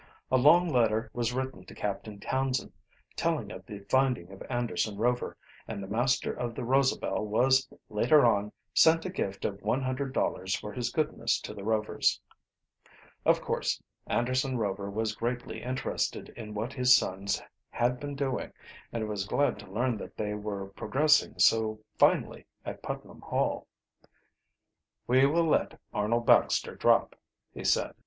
A long letter was written to Captain Townsend, telling of the finding of Anderson Rover, and the master of the Rosabel was, later on, sent a gift of one hundred dollars for his goodness to the Rovers. Of course Anderson Rover was greatly interested in what his sons had been doing and was glad to learn that they were progressing so finely at Putnam Hall. "We will let Arnold Baxter drop," he said.